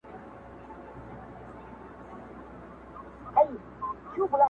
په دې ډول کيسه د انسان ژوند او چاپېريال ژور تحليل وړلاندي کوي,